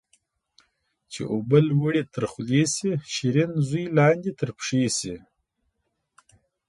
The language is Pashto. چي اوبه لوړي تر خولې سي ، شيرين زوى لاندي تر پښي سي